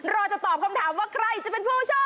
เราจะตอบคำถามว่าใครจะเป็นผู้โชค